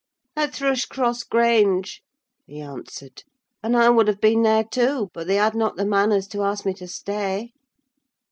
"At Thrushcross Grange," he answered; "and I would have been there too, but they had not the manners to ask me to stay."